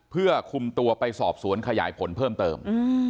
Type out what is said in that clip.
เพื่อคุมตัวไปสอบสวนขยายผลเพิ่มเติม